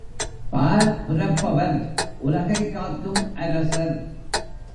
பார் புரப்பவர்—உலகைக் காக்கும் அரசர்.